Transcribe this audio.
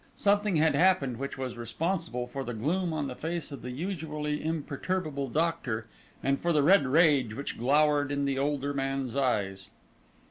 Something had happened, which was responsible for the gloom on the face of the usually imperturbable doctor, and for the red rage which glowered in the older man's eyes.